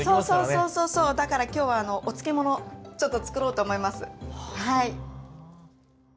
そうそうだから今日はお漬物ちょっとつくろうと思いますはい。